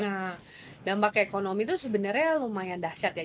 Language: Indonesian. nah dampak ekonomi itu sebenarnya lumayan dahsyat ya